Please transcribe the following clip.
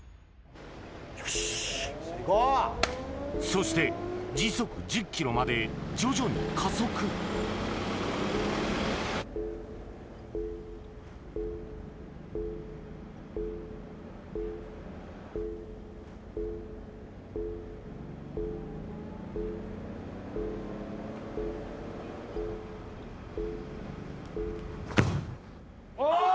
そして時速１０ｋｍまで徐々に加速・おぉ！